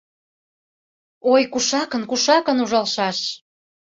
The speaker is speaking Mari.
Ой, кушакын, кушакын ужалшаш?